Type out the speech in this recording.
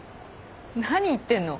何言ってんの？